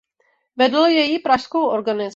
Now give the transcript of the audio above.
Vedl její pražskou organizaci.